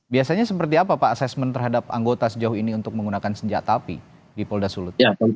biasanya seperti apa pak asesmen terhadap anggota sejauh ini untuk menggunakan senjata api di polda sulut